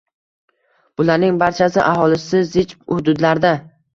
Bularning barchasi aholisi zich hududlarda